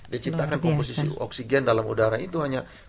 dia ciptakan komposisi oksigen dalam udara itu hanya